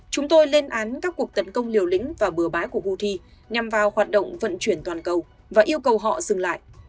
chúng tôi lên án các cuộc tấn công liều lĩnh và bừa bãi của houthi nhằm vào hoạt động vận chuyển toàn cầu và yêu cầu họ dừng lại